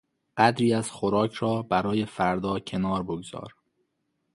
قدری از خوراک را برای فردا کنار بگذار.